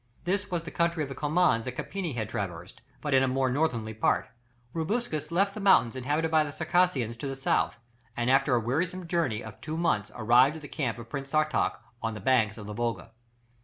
This was the country of the Comans that Carpini had traversed, but in a more northerly part. Rubruquis left the mountains inhabited by the Circassians to the south, and after a wearisome journey of two months arrived at the camp of Prince Sartach on the banks of the Volga.